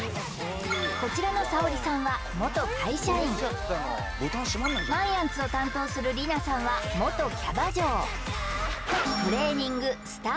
こちらのサオリさんは元会社員まいあんつを担当するリナさんは元キャバ嬢